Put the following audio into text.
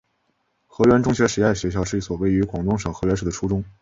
河源中学实验学校是一所位于广东省河源市的初中。